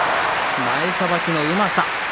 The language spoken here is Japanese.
前さばきのうまさ。